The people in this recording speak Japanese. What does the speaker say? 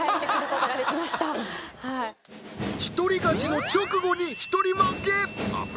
一人勝ちの直後に一人負けアップ